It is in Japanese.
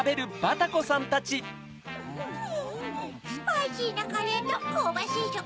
スパイシーなカレーとこうばしいしょく